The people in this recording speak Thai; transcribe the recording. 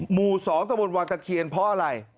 หมู่สองตะบนวัตเกียร์เพราะอะไร